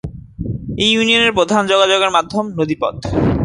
এ ইউনিয়নের প্রধান যোগাযোগের মাধ্যম নদী পথ।